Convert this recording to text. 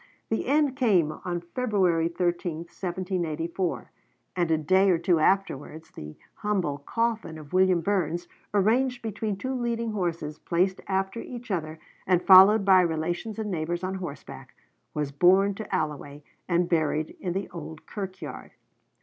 The end came on February 13th, 1784; and a day or two afterwards the humble coffin of William Burness, arranged between two leading horses placed after each other, and followed by relations and neighbors on horseback, was borne to Alloway and buried in the old kirkyard.